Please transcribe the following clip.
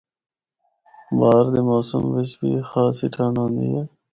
بہار دے موسم بچ بھی خاصی ٹھنڈ ہوندی اے۔